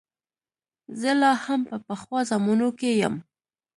زه لا هم په پخوا زمانو کې یم.